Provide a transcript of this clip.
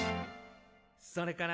「それから」